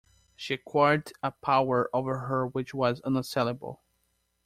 She acquired a power over her which was unassailable.